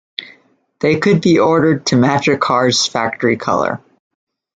They could be ordered to match a car's factory color.